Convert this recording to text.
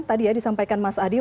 tadi ya disampaikan mas adi